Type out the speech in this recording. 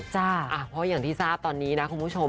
เพราะอย่างที่ทราบตอนนี้นะคุณผู้ชม